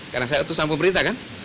karena saya utusan pemerintah kan